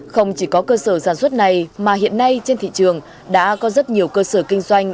không chỉ có cơ sở sản xuất này mà hiện nay trên thị trường đã có rất nhiều cơ sở kinh doanh